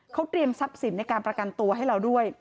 เขาเตรียมทรัพย์สินในการประกันตัวให้เราด้วย